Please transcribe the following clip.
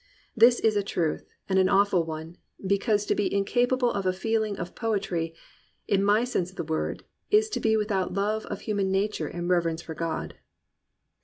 This is a truth, and an awful one, because to be incapable of a feeling of poetry, in my sense of the word, is to be without love of human nature and reverence for God."